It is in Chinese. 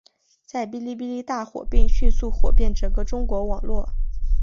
在哔哩哔哩大火并迅速火遍整个中国网络。